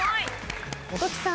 元木さん。